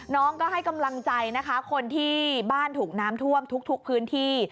น้องก็ให้กำลังใจนะคะคนที่บ้านถูกน้ำท่วมทุกพื้นที่